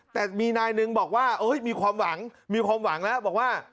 แต่มีนายหนึ่งบอกว่ามีความหวังมีความหวังแล้วบอกว่า